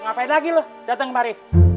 ngapain lagi lo dateng kemari